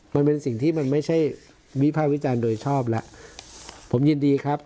มันเป็นสิ่งที่มันไม่ใช่วิภาควิจารณ์โดยชอบแล้วผมยินดีครับ